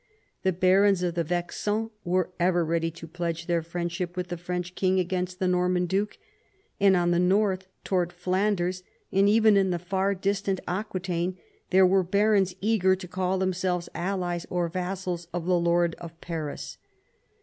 The barons of the Vexin were ever ready to pledge their friendship with the French king against the Norman duke ; and on the north, towards Flanders, and even in the far distant Aquitaine, there were barons eager to call themselves allies or vassals of the lord of Paris.